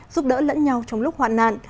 giúp đỡ lẫn nhau trong lúc hoạn nạn